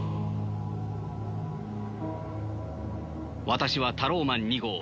私はタローマン２号。